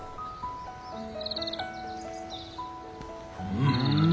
・うん。